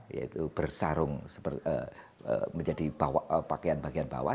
yaitu bersarung menjadi pakaian bagian bawah